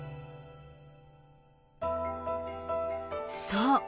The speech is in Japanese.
そう。